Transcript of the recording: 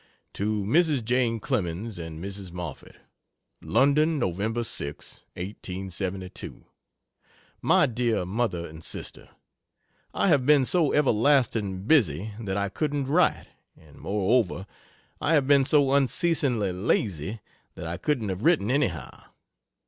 To Mrs. Jane Clemens and Mrs. Moffett: LONDON, Nov. 6, 1872. MY DEAR MOTHER AND SISTER, I have been so everlasting busy that I couldn't write and moreover I have been so unceasingly lazy that I couldn't have written anyhow.